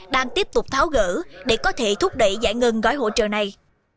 đang tiếp tục tháo gỡ để có thể thúc đẩy giải ngân gói hỗ trợ này